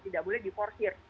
tidak boleh di forseer